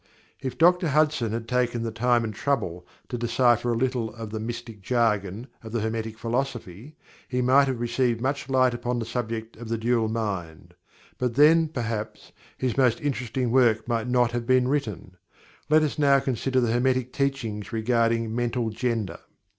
If Dr. Hudson had taken the time and trouble to decipher a little of "the mystic jargon of the Hermetic Philosophy," he might have received much light upon the subject of "the dual mind" but then, perhaps, his most interesting work might not have been written. Let us now consider the Hermetic Teachings regarding Mental Gender.